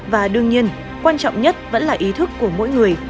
và đương nhiên quan trọng nhất vẫn là ý thức của mỗi người